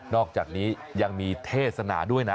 อกจากนี้ยังมีเทศนาด้วยนะ